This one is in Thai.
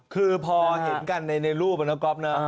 คือพอเห็นกันในรูปนะก๊อฟนะ